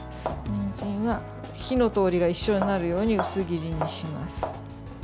にんじんは火の通りが一緒になるように薄切りにします。